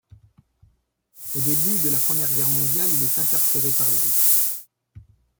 Au début de la première guerre mondiale, il est incarcéré par les Russes.